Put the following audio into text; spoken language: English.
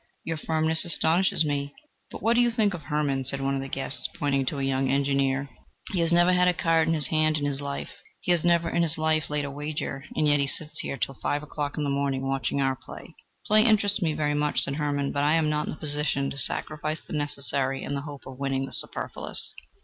Your firmness astonishes me." "But what do you think of Hermann?" said one of the guests, pointing to a young Engineer: "he has never had a card in his hand in his life, he has never in his life laid a wager, and yet he sits here till five o'clock in the morning watching our play." "Play interests me very much," said Hermann: "but I am not in the position to sacrifice the necessary in the hope of winning the superfluous."